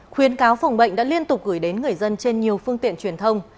khuyến cáo phòng bệnh đã liên tục gửi đến người dân trên nhiều phương tiện truyền thông